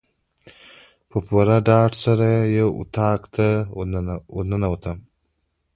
په پوره ډاډ سره یو اطاق ته ورننوتم.